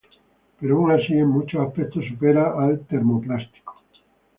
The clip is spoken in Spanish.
Pero aún así en muchos aspectos supera al termoplástico.